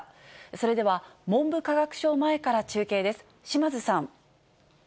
それでは、文部科学省前から中継です。